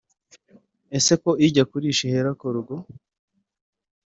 *Ese ko ijya kurisha ihera ku rugo